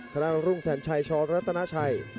คณะรุ่งแสนชัยชรัฐนาชัย